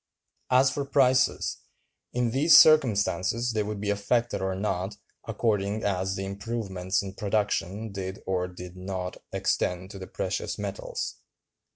As for prices, in these circumstances they would be affected or not, according as the improvements in production did or did not extend to the precious metals.